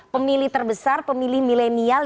pemilih terbesar pemilih milenial